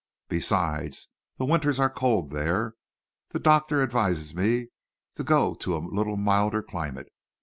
Besides, the winters are cold there. The doctor advises me to go to a little milder climate.